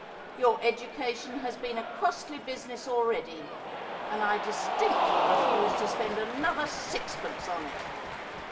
Your education has been a costly business already ; and I distinctly refuse to spend another sixpence on it.